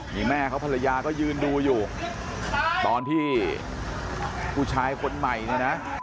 มีแม่เขาภรรยาก็ยืนดูอยู่ตอนที่ผู้ชายคนใหม่เนี่ยนะ